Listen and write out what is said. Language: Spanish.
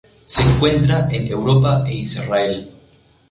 Se encuentra en Europa e Israel.